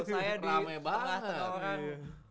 saya di rame banget